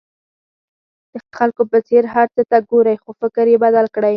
د خلکو په څېر هر څه ته ګورئ خو فکر یې بدل کړئ.